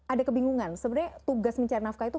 ada kebingungan sebenarnya tugas mencari nafkah itu